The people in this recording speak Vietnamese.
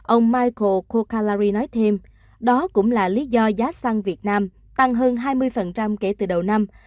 ông micro kokalari nói thêm đó cũng là lý do giá xăng việt nam tăng hơn hai mươi kể từ đầu năm